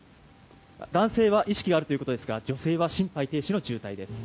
男性は意識があるということですが女性は心肺停止の重体です。